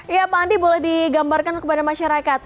iya pak andi boleh digambarkan kepada masyarakat